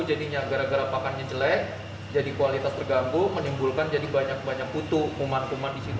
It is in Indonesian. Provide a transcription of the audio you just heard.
jadinya gara gara pakannya jelek jadi kualitas terganggu menimbulkan jadi banyak banyak putu kuman kuman di situ